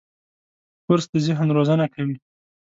کورس د ذهن روزنه کوي.